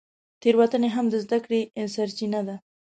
تېروتنې هم د زده کړې سرچینه دي.